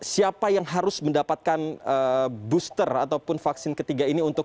siapa yang harus mendapatkan booster ataupun vaksin ketiga ini untuk